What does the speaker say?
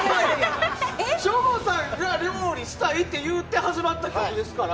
省吾さんが料理したいって言って始まった企画ですから。